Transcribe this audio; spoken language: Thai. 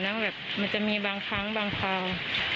มันจะมีบางครั้งบางคราว